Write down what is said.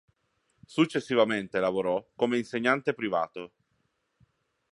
Successivamente lavorò come insegnante privato.